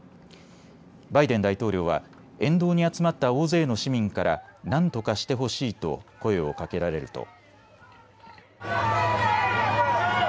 バイデン大統領は沿道に集まった大勢の市民から何とかしてほしいと声をかけられると。